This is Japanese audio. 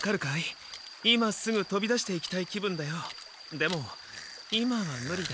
でも今はムリだ。